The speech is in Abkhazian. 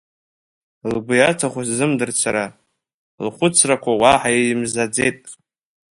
Лгәы иаҭаху сзымдырт сара, лхәыцрқәа уаҳа имзаӡеит…